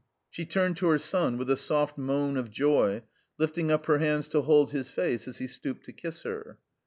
She turned to her son with a soft moan of joy, lifting up her hands to hold his face as he stooped to kiss her.